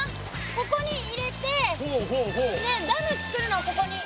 ここに入れてダムつくるのここに。